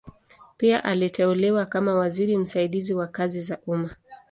Pia aliteuliwa kama waziri msaidizi wa kazi za umma.